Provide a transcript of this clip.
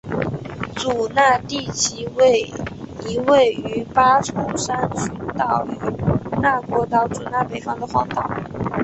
祖纳地崎为一位于八重山群岛与那国岛祖纳北方的荒岛。